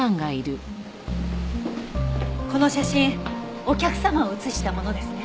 この写真お客様を写したものですね？